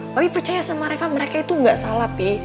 papi percaya sama reva mereka itu gak salah pi